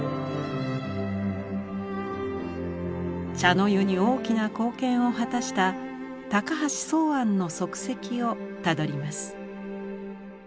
茶の湯に大きな貢献を果たした高橋箒庵の足跡をたどります。